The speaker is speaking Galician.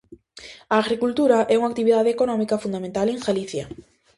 A agricultura é unha actividade económica fundamental en Galicia.